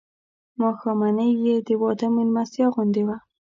ماښامنۍ یې د واده مېلمستیا غوندې وه.